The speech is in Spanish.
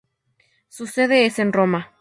Su sede es en Roma.